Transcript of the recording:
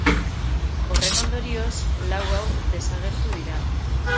Horren ondorioz, lau haur desagertu dira.